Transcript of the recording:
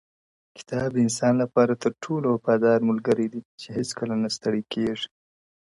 • کتاب د انسان لپاره تر ټولو وفادار ملګری دی چي هېڅکله نه ستړي کيږي ,